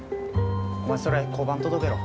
お前それ交番届けろ。